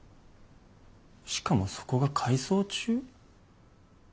しかもそこが改装中？